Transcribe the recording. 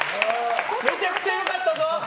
めちゃくちゃ良かったぞ！